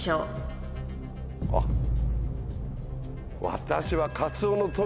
私は。